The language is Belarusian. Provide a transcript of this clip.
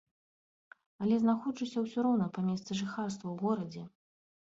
Але знаходжуся ўсё роўна па месцы жыхарства, у горадзе.